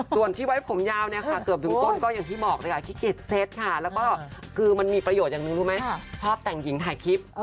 ส่วนที่ไว้ผมยาวเนี่ยค่ะเกือบถึงต้นก็อย่างที่บอกเลยค่ะขี้เก็ตเซ็ตค่ะแล้วก็คือมันมีประโยชน์อย่างหนึ่งรู้ไหมชอบแต่งหญิงถ่ายคลิป